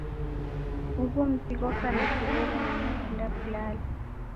Ughu mzi ghoka na kelele na nekunda kulala